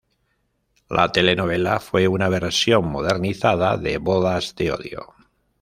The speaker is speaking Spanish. La telenovela fue una versión modernizada de "Bodas de odio".